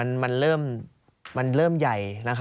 หนักใจไหม